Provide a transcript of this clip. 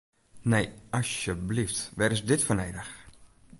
Nee, asjeblyft, wêr is dit foar nedich?